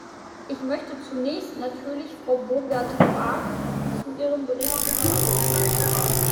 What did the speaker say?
Ich möchte zunächst natürlich Frau Boogerd-Quaak zu ihrem Bericht beglückwünschen.